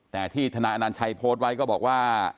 แต่ที่ธนายอนัญชัยโพสต์ไว้ก็บอกว่า